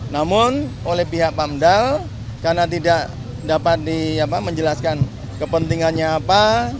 namun oleh pihak pamdal karena tidak dapat menjelaskan kepentingannya apa